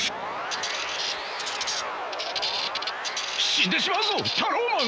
死んでしまうぞタローマン！